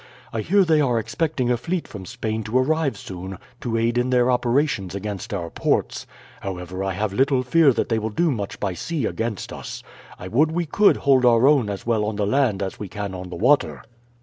I hear they are expecting a fleet from Spain to arrive soon to aid in their operations against our ports. However, I have little fear that they will do much by sea against us. I would we could hold our own as well on the land as we can on the water."